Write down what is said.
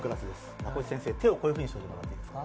名越先生、手をこういうふうにしてもらっていいですか。